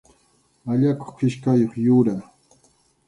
Allakuq kichkayuq yura.